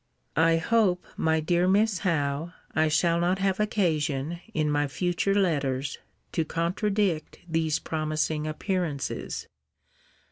I hope, my dear Miss Howe, I shall not have occasion, in my future letters, to contradict these promising appearances.